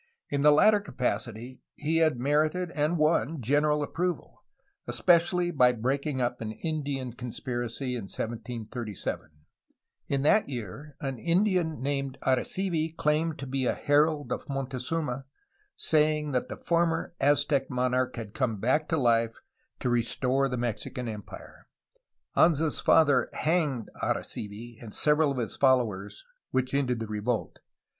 In the latter capacity he had merited and won general approval, especially by breaking up an Indian conspiracy in 1737. In that year an Indian named Arisivi claimed to be a herald of Montezuma, saying that the former Aztec monarch had come back to life to restore the Mexican Empire. Anza's father hanged Arisivi and several of his followers, which ended the revolt.